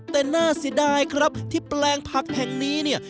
แต่น่าเสียดายครับที่แปลงผักแห่งนี้เนี่ย